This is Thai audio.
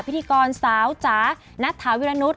พิธีกรสาวจ๋าณถาวิรณุษย์